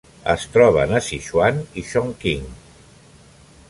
Es troben a Sichuan i Chongqing.